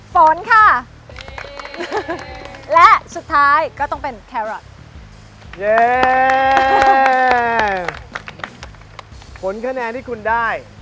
ฝนค่ะและสุดท้ายก็ต้องเป็นแครอทผลคะแนนที่คุณได้